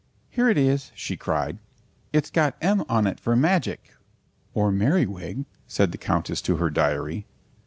"Here it is," she cried. "It's got 'M' on it for 'magic.'" "Or 'Merriwig,'" said the Countess to her diary.